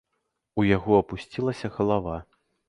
У яго апусцілася галава.